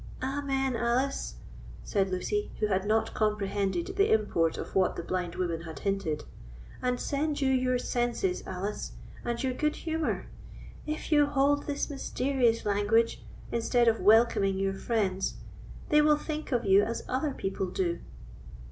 "Amen! Alice," said Lucy, who had not comprehended the import of what the blind woman had hinted, "and send you your senses, Alice, and your good humour. If you hold this mysterious language, instead of welcoming your friends, they will think of you as other people do."